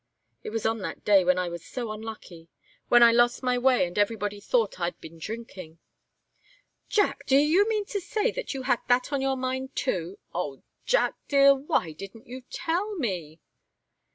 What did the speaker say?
"It was on that day when I was so unlucky. When I lost my way, and everybody thought I'd been drinking." "Jack! Do you mean to say that you had that on your mind, too? Oh, Jack dear, why didn't you tell me?"